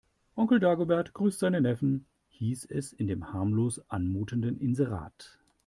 Onkel Dagobert grüßt seinen Neffen, hieß es in dem harmlos anmutenden Inserat.